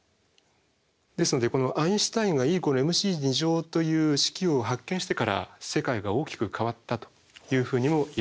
ですのでアインシュタインがＥ＝ｍｃという式を発見してから世界が大きく変わったというふうにも言えるかと思います。